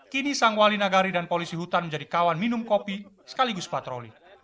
kini sang wali nagari dan polisi hutan menjadi kawan minum kopi sekaligus patroli